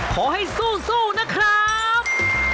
ขอให้สู้นะครับ